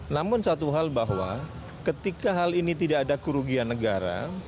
namun satu hal bahwa ketika hal ini tidak ada kerugian negara